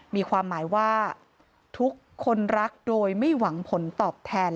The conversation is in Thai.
มีความหมายว่าทุกคนรักโดยไม่หวังผลตอบแทน